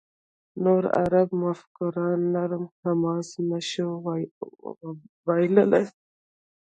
نور عرب مفکران «نرم حماس» نه شو بللای.